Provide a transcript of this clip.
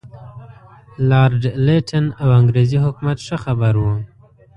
لارډ لیټن او انګریزي حکومت ښه خبر وو.